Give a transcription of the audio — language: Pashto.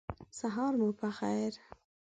سهار مو په خیر !